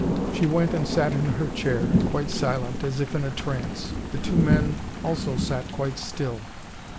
She went and sat in her chair, quite silent, as if in a trance. The two men also sat quite still.